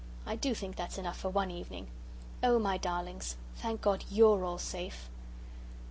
I do think that's enough for one evening. Oh, my darlings, thank God YOU'RE all safe!"